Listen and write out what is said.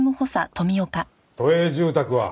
都営住宅は現状